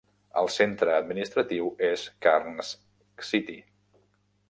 El centre administratiu és Karnes City.